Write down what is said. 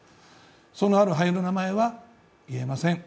そのある俳優の名前は言えません。